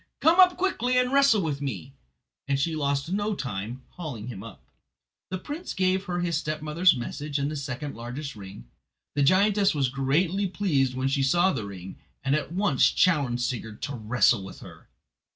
Come up quickly and wrestle with me." And she lost no time in hauling him up. The prince gave her his stepmother's message and the second largest ring. The giantess was greatly pleased when she saw the ring, and at once challenged Sigurd to wrestle with her.